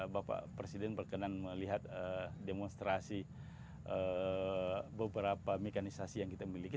bapak presiden berkenan melihat demonstrasi beberapa mekanisasi yang kita miliki